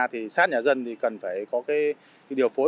thì sát nhà dân thì cần phải có cái điều phối